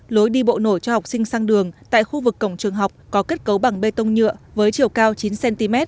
lối đi bộ nổ cho học sinh sang đường tại khu vực cổng trường học có kết cấu bằng bê tông nhựa với chiều cao chín cm